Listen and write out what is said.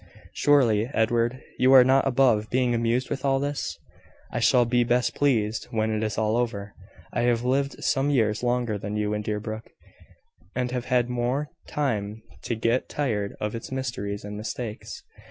Surely, Edward, you are not above being amused with all this?" "I shall be best pleased when it is all over. I have lived some years longer than you in Deerbrook, and have had more time to get tired of its mysteries and mistakes."